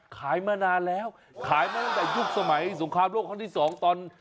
ขายมานานแล้วขายมาตั้งแต่ยุคสมัยสงครามโลกครั้งที่สองตอน